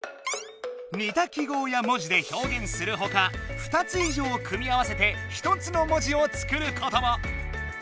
似た記号や文字で表現するほか２つい上組み合わせて１つの文字を作ることも！